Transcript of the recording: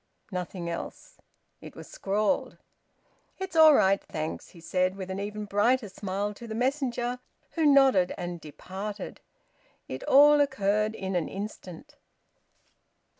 Nothing else. It was scrawled. "It's all right, thanks," he said, with an even brighter smile to the messenger, who nodded and departed. It all occurred in an instant.